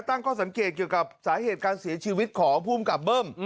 ตั้งข้อสังเกตเกี่ยวกับสาเหตุการเสียชีวิตของภูมิกับเบิ้ม